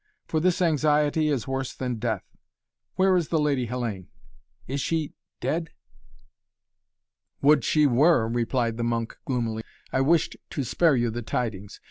For this anxiety is worse than death. Where is the Lady Hellayne? Is she dead?" "Would she were," replied the monk gloomily. "I wished to spare you the tidings!